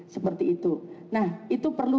seperti itu nah itu perlu